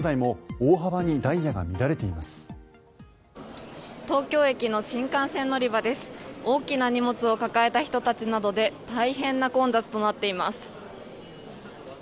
大きな荷物を抱えた人などで大変な混雑となっています。